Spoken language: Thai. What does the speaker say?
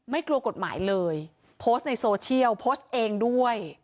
กลัวกฎหมายเลยโพสต์ในโซเชียลโพสต์เองด้วย